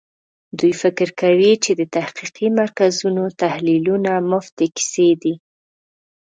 دوی فکر کوي چې د تحقیقي مرکزونو تحلیلونه مفتې کیسې دي.